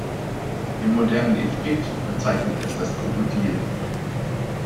Im modernen Ivrit bezeichnet es das Krokodil.